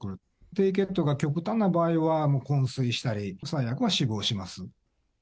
低血糖が極端な場合は、昏睡したり、最悪は死亡します。